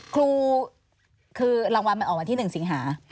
ครูคือรางวัลมันออกวันที่๑สิงหา